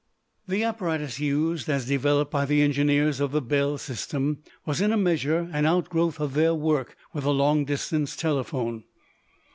The apparatus used as developed by the engineers of the Bell system was in a measure an outgrowth of their work with the long distance telephone.